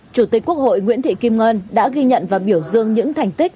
chủ tịch quốc hội nguyễn thị kim ngân đã ghi nhận và biểu dương những thành tích